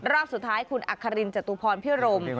รอบสุดท้ายคุณอัครินจตุพรพิรม